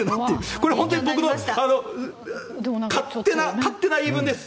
これは僕の勝手な言い分です。